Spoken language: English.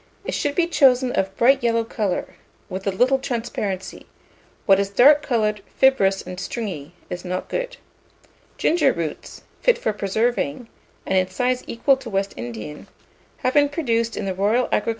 It should be chosen of a bright yellow colour, with a little transparency: what is dark coloured, fibrous, and stringy, is not good. Ginger roots, fit for preserving, and in size equal to West Indian, have been produced in the Royal Agricultural Garden in Edinburgh.